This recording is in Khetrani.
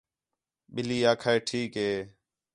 ٻِلّھی آکھا ہے ٹھیک ہِے